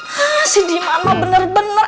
hah si dimana bener bener